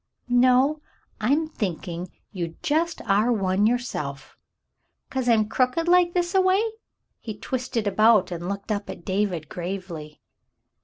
"No, I'm thinking you just are one yourself." "'Cause I'm crooked like this a way.'^" He twisted about and looked up at David gravely.